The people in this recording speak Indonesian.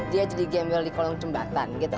dia jadi gembel di kolong jembatan gitu